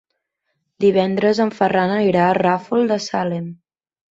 Divendres en Ferran anirà al Ràfol de Salem.